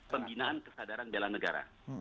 pembinaan kesadaran bela negara